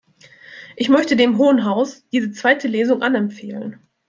Ich möchte dem Hohen Haus diese zweite Lesung anempfehlen.